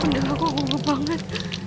tuh udah aku ngomong banget